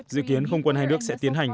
dự kiến không quân hàn quốc sẽ tiến hành